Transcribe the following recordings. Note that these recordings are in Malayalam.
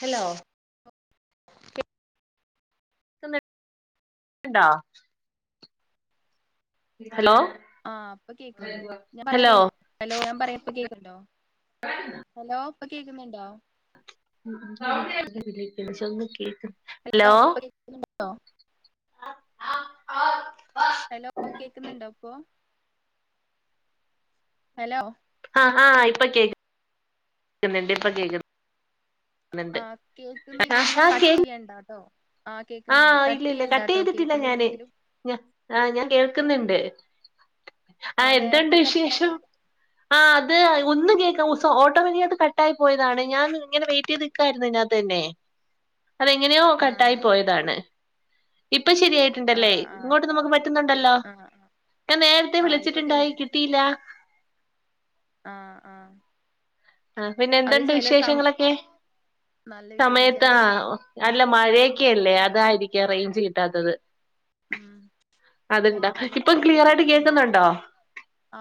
ഹലോ ണ്ടാ [unintelligible] ആഹ് ഇപ്പൊ കേക്ക്ണുണ്ട് ഞാൻ പറ ഹലോ ഹലോ ഞാൻ പറയാപ്പ കേക്കണ്ടോ ഹലോ ഇപ്പ കേക്കുന്നുണ്ടോ ഉ സമക്കി [unintelligible] എപ്പട്ടോ [unintelligible] ഹലോ കേക്കുന്നുണ്ടോ ഇപ്പൊ ഹലോ ആഹ് ആഹ് ഇപ്പൊ കേക്ക്- കേക്കുന്നുണ്ട് ഇപ്പം കേക്കു- ആഹ് ആഹ് കേക്കുന്നില്ലെങ്കിലും ആഹ് കേ കട്ട് ചെയ്യണ്ട കേട്ടോ ആഹ് കേക്കുന്നുണ്ട് ആഹ് ഇല്ല കട്ട് ഇല്ല ചെയ്യണ്ട ട്ടോ ചെയ്തിട്ടില്ല ഞാന് കേൾക്കുന്നില്ലെങ്കിലും ഞ ആഹ് ഞാൻ കേൾക്കുന്നുണ്ട് ആഹ് എന്തൊണ്ട് നേരത്തെ വിശേഷം കട്ടായി ആഹ് അത്- ഒന്നും കേൾക്കാം ഉസ ഓട്ടോമാറ്റി അത് കട്ടായി പോയതാണ് ഞാന് ഇങ്ങനെ വെയിറ്റ് ചെയ്ത് നിക്കായിരുന്നു ഇതിനകത്ത് തന്നെ അതെങ്ങനെയോ കട്ടായി ആഹ് ആഹ് പോയതാണ് ഇപ്പം ശെരിയായിട്ടുണ്ടല്ലേ ആഹ് ആഹ് ഇങ്ങോട്ട് ശരി. നമുക്ക് പറ്റുന്നുണ്ടല്ലോ ആഹ് ആഹ് ഞാൻ നേരത്തെ ആഹ് ഇപ്പൊ വിളിച്ചിട്ടുണ്ടായി കേക്കുന്നു കിട്ടിലാ ആഹ് ആഹ ആ പിന്നെ എന്തതുണ്ട് വിശേഷങ്ങളൊക്കെ നല്ല വിശേഷം സമയത്ത് ആ ചെലടത്ത് അല്ല റേഞ്ച് മഴയൊക്കല്ലേ ഇല്ലാന്ന് തോന്നുന്നു അതായിരിക്കും അറേഞ്ച് കിട്ടാത്തത് ഉം അത്ണ്ടാ ചിലപ്പോ ഇപ്പം പലർും ക്ലിയർ ആയിട്ട് വിളിക്കുമ്പോ കേൾക്കുന്നുണ്ടോ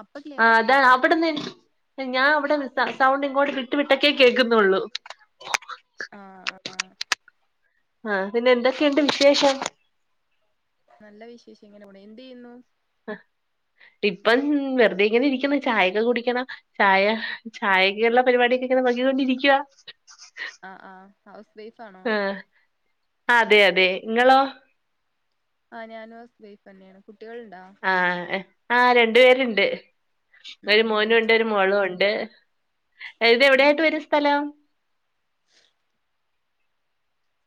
അപ്പൊ ആ ക്ലിയർ ആയിട്ട് അതാ കേക്കുന്നു അവിടെന്ന് ഞാൻ അവിടെ സൗണ്ട് ഇങ്ങോട്ട് വിട്ട് വിട്ടൊക്കെ കേക്കുന്നുള്ളൂ ആഹ ആഹ ആഹ പിന്നെ എന്തൊക്കെയുണ്ട് വിശേഷം നല്ല വിശേഷം എങ്ങനെ കൂടെ എന്ത് ചെയ്യുന്നു ആഹ് ഇപ്പം വെറുതെ ഇങ്ങനെ ഇരിക്കണ ചായക്കെ കുടിക്കണ ചായ ചായള്ള പരിപാടക്കെ നെ വകികൊണ്ടിരിക്കുവ ആഹ ആഹ ഹൗസ് വൈഫ്ാണോ ആ അതെ അതെ നിങ്ങളോ ആഹ് ഞാനൻ സ്ൈഫ് തന്നെയാണ് കുട്ടികളുണ്ടോ ആ ആ രണ്ടു പേരുണ്ട് ഒരു ഉം മോനും ഉണ്ട് എനിക്ക് ഒരു മോളും ഉണ്ട് ഇത് എവിടെ ഉം ആായിട്ട് വര സ്ഥലം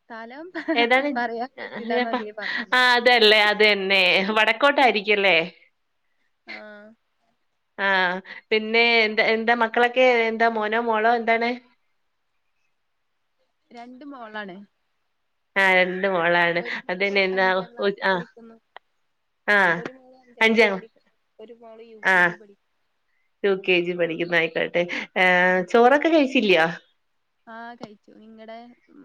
സ്ഥലം ഏതാണ് പറയാൻ പറ്റില്ലാന്ന അതില് പറയുന്നേ ആ അതല്ലേ അത്ന്നെ വടക്കോട്ടായിരിക്കും ക്കല്ലേ ആഹ ആഹ പിന്നെ എന്താ എന്താ മക്കളൊക്കെ എന്താ മോനോ മോളോ എന്താണ് രണ്ട മോളാണ് ആ രണ്ട മോളാണ് ഒരു മോള് അത്ന്നെന്താ അഞ്ചാം ക്ലാസ്സിൽ ആ പഠിക്കുന്നു ഒരു മാള് അഞ്ച് ക്ലാസ് പഠിക്കും ഒരു മാള് യു പി ജി പഠിക്കും ടു കെ ജി പഠിക്കുന്ന ആയിക്കോട്ടെ ഏർ ചോറൊക്കെ കഴിച്ചില്ല ആഹ് കഴിച്ചു നിങ്ങടെ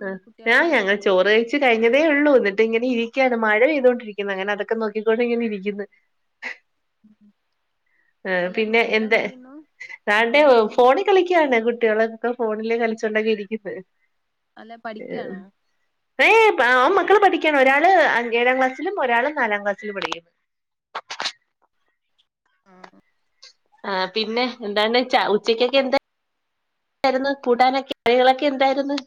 ആ കുട്ടികള് ഞാൻ എന്ത് ഞങ്ങ ചെയ്യണ് ചോറ് കഴിച്ചു കഴിഞ്ഞതേ ഉള്ളൂ എന്നിട്ട് ഇ ഇങ്ങനെ ഇരിക്കയാണ് മഴ പെയ്തുകൊണ്ടിരിക്കുന്നത് അങ്ങനെ അതൊക്കെ നോക്കിക്കൊണ്ടണ്ട് ഇങ്ങനെ ഇരിക്കുന്നു അല്ല കുട്ട എന്ത രാണ്ട് ഫോണ കളിക്കയാണ്ട്ടി കുട്ടികളെൊക്കെ ഫോണിലേ കളിച്ചൊണ്ടാക്കി ഇരിക്കുന്നു അല്ലെ പഠിക്കാണോ ഏയ് പ ഓ മക്കള് പഠിയ്ക്കാണ് ഒരാള് അ ഏഴാം ക്ലാസ്സിലും ഒരാള് നാലാം ക്ലാസ്സിലും പഠിക്കു [inaudible] ആ പിന്നെ എന്താണ് ച ഉച്ചക്കൊക്കെ എന്ത ആരുന്നു കൂട്ടാനൊക്കെ ഴികളൊക്കെ എന്തായിരുന്നു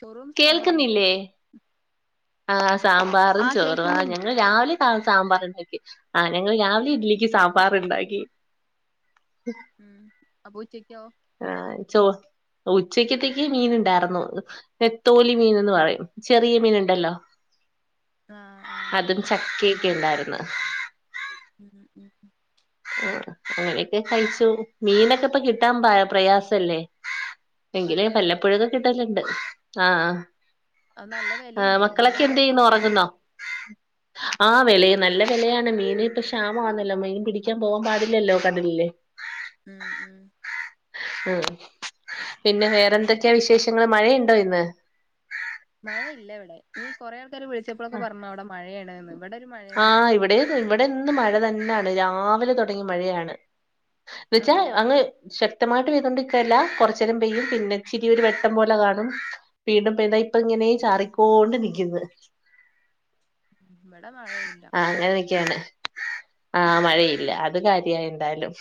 ചോറും സാമ്പറും കേൾക്കുന്നില്ലേ ആ സാമ്പാറും ആഹ് ചോറും ആ കേക്കുന്നുണ്ട് ഞങ്ങൾ രാവിലെ ആ സാമ്പാറുണ്ടാക്കി ആഹ് ഞങ്ങള് രാവിലെ ഇഡ്‌ലിക്ക് സാമ്പാർ ഉണ്ടാക്കി ഉം അപ്പുച്ചക്കോ ആഹ് ചോ ഉച്ചക്കത്തേക്ക് മീന്ണ്ടാറന്നു [unintelligible] തോലി മീൻ എന്ന് പറയും ചെറിയ മീൻ ഉണ്ടല്ലോ ആഹ് ആഹ് അതും ചക്കേം ക്കെയുണ്ടാര്ന്ന് [unintelligible] ആ അങ്ങനെയൊക്കെ കഴിച്ചു മീനക്കെ ഇപ്പ കിട്ടാം പാ പ്രയാസല്ലേ എങ്കിലീ അതെ അതെ പല്ലപ്പുഴൊക്കെ കിട്ടലണ്ട് ആ ആഹ് അത് നല്ല ആഹ് വെലയില്ലേ നല്ല മക്കളൊക്കെ വെല എന്ത് ചെയ്യുന്നു കൊടുത്ത്ക്കണ്ടേ ഉറങ്ങുന്നോ ആഹ് വെലയും നല്ല വെലയാണ് മീൻ ഇപ്പൊ ക്ഷാമ വന്നല്ലോ മീൻ പിടി ക്കാൻ പോവാൻ പാടില്ലല്ലോ കടലില് ഉം ഉം ഉം പിന്നെ വേറെന്തൊക്കെയാ വിശേഷങ്ങള് മഴയുണ്ടോ ഇന്ന് മഴ ഇല്ല ഇവിടെ ഇ കൊറേ ആൾ ക്കാര് വിളിച്ചപ്പളൊക്കെ പറ്ന്നു. ഔടെ മഴേയണ്ന്ന് ഇവടെ ഒരു മഴയെന്നും ഇല്ല ഇവടെ ഇന്ന് മഴ തന്നാണ് രാവിലെ തൊടങ്ങി മഴയാണ് വെച്ചാ ആഹ് അങ്ങ് ശ ക്തമായിട്ട് പെയ്തോണ്ടിക്കല്ലാ കൊറ്ച്ചേരം പെയ്യും പിന്നെ ഇച്ചിരിയൊരു വെട്ടം പോല കാണും വീണ്ടും പെയ്തായ് ഇപ്പ അങ്ങനേ ഉം ചാറിക്കോണ്ട് നിക്ക്ന്ന് ഇവടെ മഴേന്നുല്ല ആഹ് അങ്ങനെയൊക്കെയാണ് ആഹ് മഴയില്ല അത് കാര്യായി എന്തായലും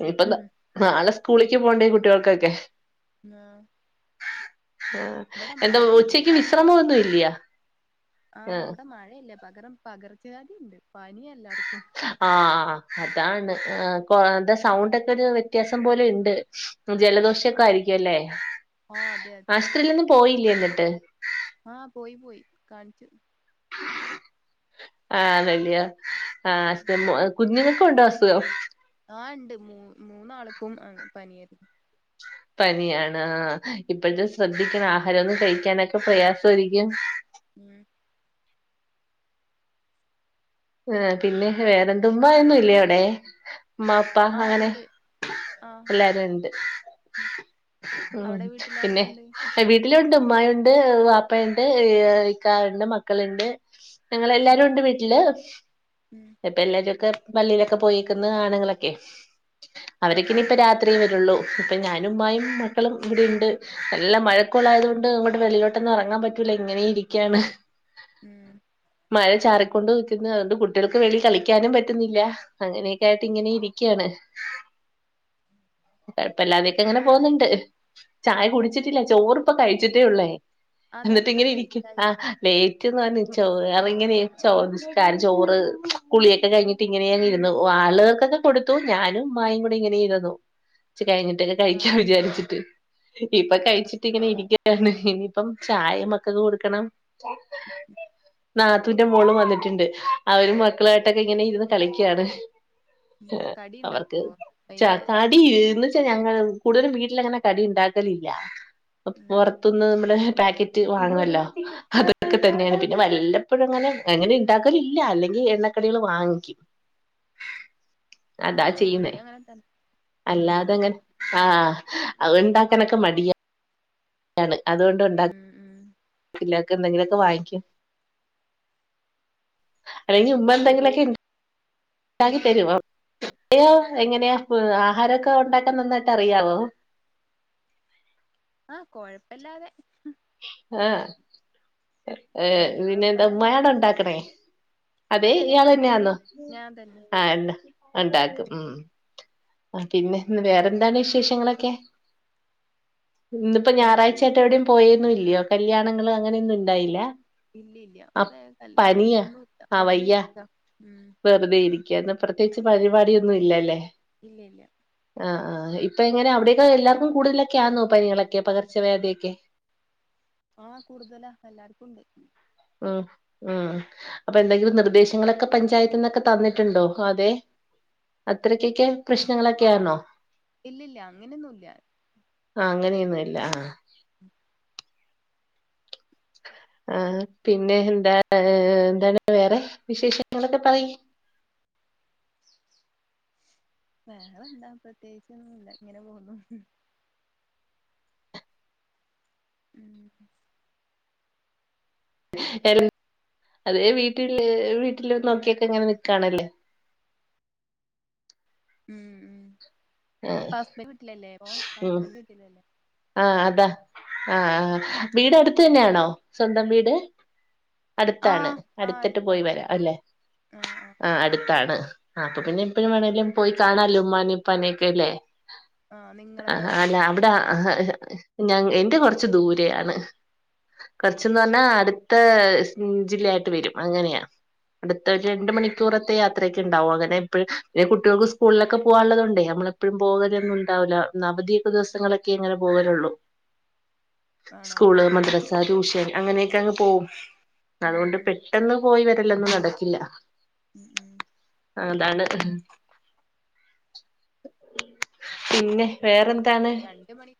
ഇനി പ്പം നാ നാളെ സ്കൂളിക്ക് പോണ്ടേ കുട്ടികൾക്കെക്കെ ന്നാ ആഹ് എന്താ ഉച്ചയ്ക്ക് പകരം വിശ്രമോന്നും ഇല്ല്യ ആഹ് ഇബ്ടെ മഴ ഇല്ല പകരം പകർച്ചവ്യാധി ഇണ്ട് പനിയെല്ലാട് ആഹ് ഹാ അതാണ് ആഹ് കൊ [unintelligible] ന്റെ സൗണ്ടക്കെ ഒര് വ്യത്യാസം പോലെ യിണ്ട് ജലദോഷൊക്കെ ആയിരിക്കല്ലേ ആഹ് അതെ അതെ ആശൂത്രീലെന്നും പോയില്ലേ എന്നിട്ട് ആഹ് പോയി പോയി കാണ്ച്ചു ആന്ന ല്യോ ആഹ് [unintelligible] കുഞ്ഞുങ്ങക്കു ഉണ്ടോ അസുഖം ആഹ് ഇണ്ട് മൂ മൂന്നാള്ക്കും പനിയാര്ന്നു പനിയാണ് ആഹ് ഇപ്പഴ്ത്തെ ശ്രദ്ധിക്കണം ആഹാരൊന്നും കഴിക്കാനൊക്കെ പ്രയാസോരിക്കും ഉം ആഹ് പിന്നെ വേറെന്ത് ഉമ്മായൊന്നും ഇല്ലേ അവിടേ ഉമ്മാ ഉപ്പാ ആഹ് അങ്ങനെ ഇണ്ട് ആഹ് എല്ലാരു ഇണ്ട് ഉം അവിടെ പിന്നെ വീട്ടിലാരൊക്കെണ്ട് വീട്ടില് ഉണ്ട് ഉമായൊണ്ട് വാപ്പ ഇണ്ട് [unintelligible] ഇക്കായ് ണ്ട് മക്കള്ണ്ട് ഞങ്ങള് ഉം എല്ലാരും ഇണ്ട് വീട്ടില് ഉം ഇപ്പ എല്ലാരൊക്കെ പള്ളീലൊക്കെ പോയേക്ക്ന്ന് ആണ്ങ്ങളൊക്കെ അവരെക്കെ ഇനിയിപ്പ ആഹ് രാത്രിയി വരൊള്ളൂ ഇപ്പ ഞാനും ഉമ്മായും മക്കളും ഇവിടെ ഉണ്ട് നല്ല ഉം മഴക്കോളായതുകൊ ണ്ട് അങ്ങോട്ട് വെളീലോട്ടൊന്നും എറങ്ങാൻ പറ്റൂല ഇങ്ങനെ ഇരിക്കാണ് [inaudible] മഴ ചാറിക്കൊണ്ട് നി - അതുകൊണ്ട് കുട്ടികൾക്ക് വെളിയി കളിക്കാനും പറ്റുന്നില്ല അങ്ങനെയൊക്കെ ആയിട്ട് ഇങ്ങനെ ഇരിക്കയാണ്. അ [unintelligible] അപ്പല്ലാതെയൊക്കെ അങ്ങനെ ചായ പോകുന്നുണ്ട് കുടിച്ചോ ചായ കുടിച്ചിട്ടില്ല ചോറിപ്പ കഴിച്ചിട്ടേ ഉള്ളേ. അതെന്താ ഇപ്പ എന്നിട്ട് ഇത്ര ഇങ്ങനെ ഇരിക്കും ലേറ്റ് ആ ആയി ലേറ്റ്ന്ന് പറ [unintelligible] ചോ ഇങ്ങനെയ ചോദിച്ചു. ചോറ് കുളിയൊക്കെ കഴിഞ്ഞിട്ട് ഇങ്ങനെയങ്ങ് ഇരുന്നു ആളുകള്ക്കൊക്കെ കൊടുത്തു ഞാനും ഉമ്മായും കൂടി ഇങ്ങനെ ചെയതോ [unintelligible] കഴിഞ്ഞിട്ടൊക്കെ ആഹ് കഴിക്കാൻ ആഹ് വിചാരിച്ചിട്ട് ഇപ്പൊ കഴിച്ചിട്ട് ഇങ്ങനെ ഇരിക്കു - ഇനിയിപ്പം ചായ മക്കക്ക് കൊടുക്കണം. നാത്തുന്റെ മോളും വന്നിട്ടുണ്ട് അവരും മക്കളായിട്ടൊക്കെ ഇങ്ങനെയിരുന്ന് കളിക്കാണ്. ഉം കടി അവർക്ക് ഉണ്ടാക്കുവോ വൈന്നേ തടി എന്ന് വെച്ചാ ഞ- കൂടുതലും വീട്ടിലങ്ങനെ കടി ഉണ്ടാക്കലില്ല ഉം പുറത്തുന്ന് നമ്മളെ. പാക്കറ്റ് വാങ്ങുവല്ലോ അതൊക്കെ തന്നെയാണ് പിന്നെ വല്ലപ്പോഴും അങ്ങനെ അങ്ങനെ ഇണ്ടാകും. ക്കാല് ഇല്ല അല്ലെങ്കിൽ എണ്ണക്കടികൾ വാങ്ങിക്കും അതാ ആഹ് ചെയ്യുന്നേ ഇവിടേം അങ്ങനെ തന്നെ ഉം അല്ലാതെ അങ്ങനെ- ആഹ് അത് ഉണ്ടാക്കാനൊക്കെ മടിയാണ്. അതുകൊണ്ട് ഉം ഉം ഉണ്ടാക്കല്ലക്കെ എന്തെങ്കിലുമൊക്കെ വാങ്ങിക്കും അല്ലെങ്കിൽ ഉമ്മ എന്തെങ്കിലുമൊക്കെ ഉണ്ടാക്കി തരുമോ? എയോ എങ്ങനെയാ ആഹാരമൊക്കെ ഉണ്ടാക്കാൻ നന്നായിട്ട് അറിയാവോ. ആഹ് കൊഴപ്പില്ലാതെ ആ ഏർ വല്യ പിന്നെ എന്താ കൊഴപ്പല്ലാതെ മട ഉണ്ടാക്കും ഉണ്ടാക്കണേ അതെ അല്ല ഇയാൾ ഞാൻ തന്നെ തന്നെയാന്നോ ഞാൻ തന്നെ ആ ഉണ്ടാക്കും ഉ.. ആ പിന്നെ വേറെന്താണ് വിശേഷങ്ങളൊക്കെ. ഇന്നിപ്പോ വേറൊന്നും ഞായറാഴ്ചായിട്ട് എവിടെയും പോയന്നും ഇല്ലയോ കല്യാണങ്ങൾ അങ്ങനെയൊന്നും ഉണ്ടായില്ല. അ ഇല്ലല്ലേൽ പനിയാ ഒന്നുമല്ല ആ വെറുതെ ഇരിക്ക ന്ന് പ്രത്യേകിച്ച് പരിപാടിയന്നും ഇല്ലല്ലേ. ഇല്ല ഇല്ല ആ ആ ഇപ്പ ഇങ്ങനെ അവിടെയക്ക എല്ലാർക്കും കൂടുതലൊക്കെ ആനോ പനികളൊക്കെ. പകർച്ചവ്യാധിയൊക്കെ ആ കൂടുതലാ എല്ലാവർക്കും ണ്ട്. ഉം ഉം അപ്പൊ എന്തെങ്കിലും നിർദേശങ്ങളൊക്കെ പഞ്ചായത്തി നിന്നൊക്കെ തന്നിട്ടുണ്ടോ അതെ. അത്രക്കൊക്കെ പ്രശ്നങ്ങളൊക്കെയാണോ. ഇല്ലല്ല അങ്ങനെയൊന്നുംല്ല. ആ അങ്ങനെയൊന്നും ഇല്ല ആ. ആ പിന്നെ എന്താ എന്താണ് വേറെ വിശേഷങ്ങളൊക്കെ പറയും. വേഗ എന്താ പ്രത്യേകിച്ചൊന്നും ഇല്ല ഇങ്ങനെ പോന്നുന്നു. ഉം എ അതെ വീട്ടില് വീട്ടില് നോക്കിയക്കെ ഇങ്ങനെ നിക്കണല്ലേ. ഉ ഉ ആ ഇപ്പ ഹസ്ബ വീട്ടിലല്ലേ പോ ഉം ഹസ്ബൻഡ് വീട്ടിൽ അല്ലേ.. ആ അതാ ആ ആ വീട് അടുത്ത് ആ തന്നെയാണോ സ്വന്തം വീട്. അടുത്താണ് ആഹ് ആ അടുത്തിട്ട് പോയി അടുത്താണ് വരാം അല്ലെ ആഹ് ആഹ് ആഹ അടുത്താണ്. ആ അപ്പൊ പിന്നെ എപ്പഴും വേണേങ്കിലും പോയി കാണാലോ ഉമ്മാനെയുംഉപ്പാനൊക്കെ അല്ലേ. ആഹ് ആ നിങ്ങളതോ അല്ല അവിടെ. ആ ആഹഎന്റെ കൊറച്ച് ദൂരെയാണ് കുറച്ചന്ന് പറഞ്ഞാ അടു.. ആഹ് ജില്ലയായിട്ട് വരും അങ്ങനെയാ അടുത്ത രണ്ട് ആഹ് മണിക്കൂറത്തെ യാത്ര. ഇണ്ടാവും അങ്ങനെ എപ്പഴും കുട്ടികൾക്ക് സ്കൂളിലൊക്കെ പോവാനുള്ളതൊണ്ടേ നമ്മളെപ്പോഴും പോകലൊന്നും ഉണ്ടാവില്ല ന ദിവസങ്ങളിലൊക്കേങ്ങനെ പോവലൊള്ളൂ ആണോ സ്കൂൾ, മദ്റസ, ട്യൂഷൻ അങ്ങനെക്കെ അങ്ങ് പോവും ഉം അതുകൊണ്ട് ഉം പെട്ടെന്ന് പോയി വരലൊന്നും നടക്കില്ല ഉം ഉം അതാണ് പിന്നെ വേറെന്താ താണ്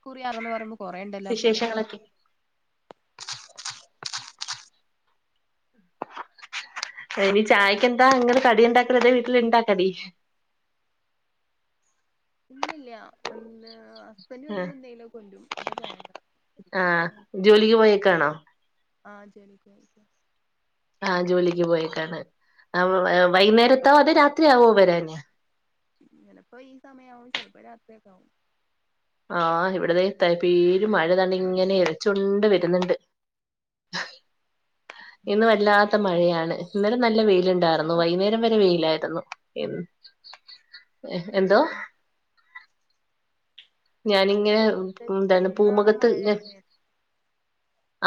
കുറി അറന്ന് പറയുമ്പോ കൊറേണ്ടല്ലോപ്പോലെ [inaudible] ഇനി ചായക്ക് എന്താ ങ്ങള് കടിണ്ടാക്കല് അതെ വീട്ടില്ണ്ടാ കടി ഇല്ലില്ല എന്ത് പ്പന്ന് ആഹ് വരുമ്പന്തേലൊക്ക കൊണ്ടും അപ്പൊ ചായണ്ട ആഹ് ജോലിക്ക് പോയേക്കാണോ ആ ശരി ശരി ആ ജോലിക്ക് പോയേക്കാണ് വൈകുന്നേരത്തോ അതെ രാത്രിയാവോ വരാന് ചെലപ്പോ ഈ സമയാവും ചെലപ്പോ രാത്രിയൊക്കാവും ആ ഇവിട ദേ ത പെരു മഴ ദാണ്ടിങ്ങനെ എരച്ചൊണ്ട് വരുന്നുണ്ട് [inaudible] ഇന്ന് വല്ലാത്ത മഴയാണ് ഇന്നലെ നല്ല വെയി വെയിലുണ്ടാർന്നു അപ്പൊ വൈയ്ന്നേരം വരെ ഇന്നലെന്തോണ്ട്? വെയിലാരുന്നു ഉം എന്തോ ഉം അല്ല ഞാനിങ്ങനെ ചോദിക്ക ന്താണ് ഇന്നാണോ പൂമുഖത്ത് മഴ അവിടെ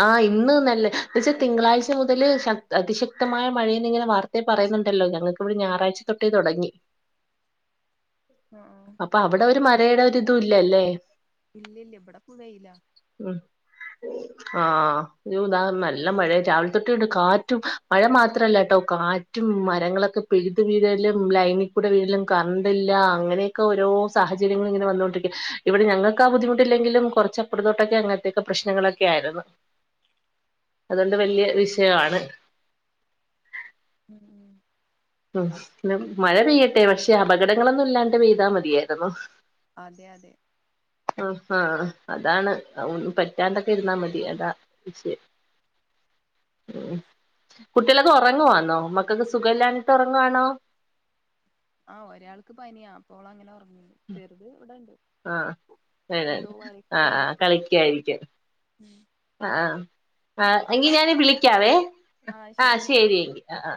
ആ ഇന്ന് നല്ല ന്നെച്ചാ തിങ്കളാഴ്ച മുതല് ശക്ത അതിശക്തമായ മഴയെന്നിങ്ങനെ വാർത്തേ പ പറയുന്നുണ്ടല്ലൊ ഞങ്ങക്കിവിടെ ഞാറാഴ്ച തൊട്ടേ തൊടങ്ങി [inaudible] ആഹ് ആഹ് അപ്പൊ അവിടെ ഒരു മരയുടെ ഒരിതും ഇല്ലല്ലേ ഇല്ലില്ല ഇവിടെപ്പ വെയിലാ ആ യോ ദാ നല്ല മഴ രാവിലെ തൊട്ടേണ്ട് കാറ്റും മഴ മാത്രല്ല ട്ടോ കാ മറ്റും മരങ്ങളൊക്കെ പിഴുത് വീഴലും ലൈനിൽ കൂടെ വീഴലും കറണ്ടില്ല അങ്ങനെയൊക്കെ ഓരോ സാഹചര്യങ്ങളിങ്ങന വന്നോണ്ടി ഇവിടെ ഞങ്ങക്കാ ബുദ്ധിമുട്ടില്ലെങ്കിലും കൊറച്ചപ്പുറത്തോട്ടൊക്കെ അങ്ങനത്തെക്കെ പ്രശ്നങ്ങളൊക്കെ ആര്ന്ന് [unintelligible] അതുകൊണ്ട് ആഹ് വല്യ വിഷയവാണ് ഉം ഉ ഉം മഴ പെയ്യട്ടെ പക്ഷെ അപകടങ്ങളൊന്നും ഇല്ലാണ്ട് പെയ്താ മതിയാരുന്നു അതെയതെ ആ ആ അതാണ് ഒന്നും പറ്റാണ്ടൊക്കെ ഇരുന്നാ മതി അതാ വിഷയം ഉം കുട്ട്യളൊക്കെ ഒറങ്ങുവാന്നോ മക്കക്ക് സുഖല്ലേ ട്ടൊറങ്ങുവാണോ ആ ഒരാൾക്ക് പനിയാ അപ്പോളങ്ങനെ ഉറങ്ങീത് ചെറുത് ഇവിടെണ്ട് ആ ഏ എന്തോ ആ വരക്ക ഒക്കെ കളിക്കായിരിക്കും ആ ആ എങ്കി അപ്പൊ ഞാന് എന്നാ വിളിക്കാവേ ആ ശരിയെങ്കി ആ